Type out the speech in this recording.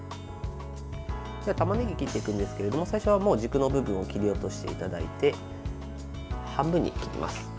たまねぎを切っていくんですけれども最初は軸の部分を切り落としていただいて半分に切ります。